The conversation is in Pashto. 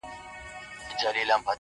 څنگه دې پر مخ د دنيا نم راغلی-